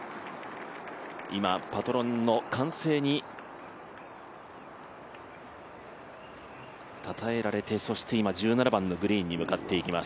今、パトロンの歓声にたたえられて、そして今、１７番のグリーンに向かっていきます。